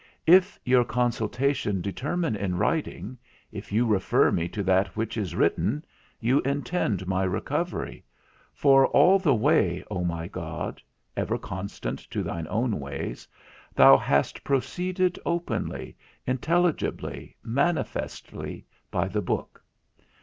If your consultation determine in writing, if you refer me to that which is written, you intend my recovery: for all the way, O my God (ever constant to thine own ways), thou hast proceeded openly, intelligibly, manifestly by the book.